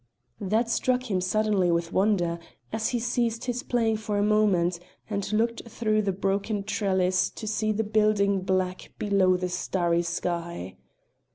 That struck him suddenly with wonder, as he ceased his playing for a moment and looked through the broken trellis to see the building black below the starry sky.